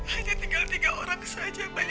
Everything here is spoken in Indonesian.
hanya tinggal tiga orang saja pak